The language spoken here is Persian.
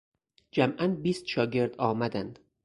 جمعا بیست شاگرد آمدند.